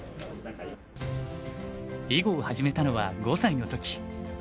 囲碁を始めたのは５歳の時。